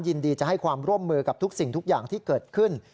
ยินดีจะให้ความร่วมมือกับทุกสิ่งทุกอย่างที่เกิดขึ้น